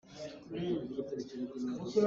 Na lung na ṭhulh le-lek caah zumh awk na har ko.